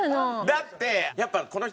だってやっぱこの人。